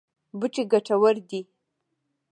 بوټي ګټور دي.